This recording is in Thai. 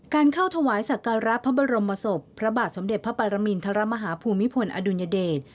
เข้าถวายสักการะพระบรมศพพระบาทสมเด็จพระปรมินทรมาฮาภูมิพลอดุลยเดช